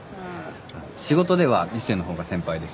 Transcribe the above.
仕事では一星のほうが先輩です。